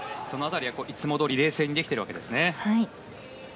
いつもどおり冷静にできているわけですね。